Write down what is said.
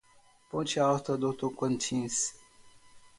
Ponte Alta do Tocantins